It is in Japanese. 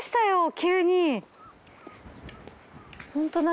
急に。